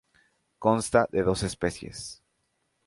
Consta de dos especies.